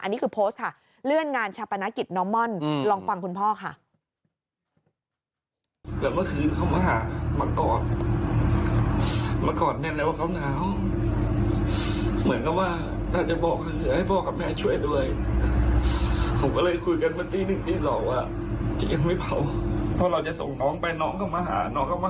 อันนี้คือโพสต์ค่ะเลื่อนงานชาปนกิจน้องม่อนลองฟังคุณพ่อค่ะ